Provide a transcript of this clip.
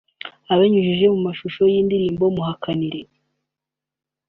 Abinyujije mu mashusho y’indirimbo Muhakanire